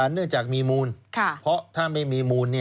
เนื่องจากมีมูลเพราะถ้าไม่มีมูล